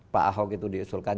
pak ahok itu diusulkan